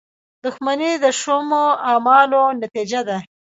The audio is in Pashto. • دښمني د شومو اعمالو نتیجه ده.